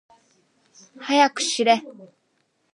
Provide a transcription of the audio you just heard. はやくしれ。